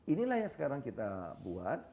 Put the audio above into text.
inilah yang sekarang kita buat